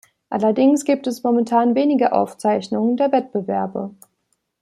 Allerdings gibt es momentan wenige Aufzeichnungen der Wettbewerbe.